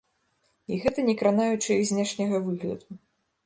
І гэта не кранаючы іх знешняга выгляду.